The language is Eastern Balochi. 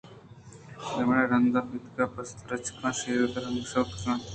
دمانے ءَ رند بینگ مگسک کہ پُلّ ءُ درٛچکاں شِیرگ درکنگ ءَ شُتگ اِتنت